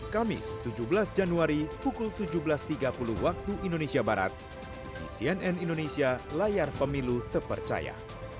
kamis tujuh belas januari pukul tujuh belas tiga puluh waktu indonesia barat di cnn indonesia layar pemilu terpercaya